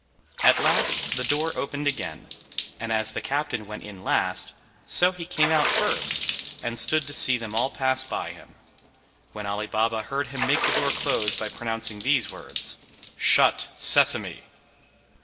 At last the door opened again, and as the captain went in last, so he came out first, and stood to see them all pass by him; when Ali Baba heard him make the door close by pronouncing these words, "Shut, Sesame!"